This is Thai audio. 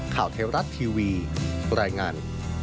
ข่าวไทยรัฐทีวีรายงาน